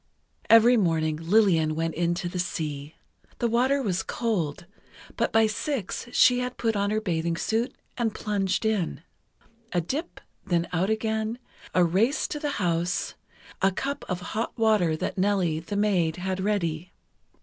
Every morning Lillian went into the sea. The water was cold, but by six she had put on her bathing suit, and plunged in. A dip, then out again, a race to the house, a cup of hot water that Nellie, the maid, had ready.